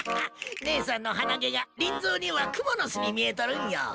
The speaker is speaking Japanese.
ねえさんの鼻毛がリンゾーにはくもの巣に見えとるんよ。